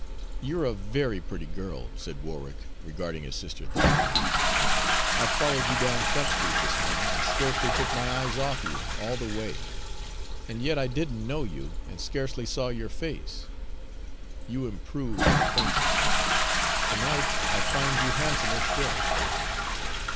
"You're a very pretty girl," said Warwick, regarding his sister thoughtfully. "I followed you down Front Street this morning, and scarcely took my eyes off you all the way; and yet I didn't know you, and scarcely saw your face. You improve on acquaintance; to night, I find you handsomer still."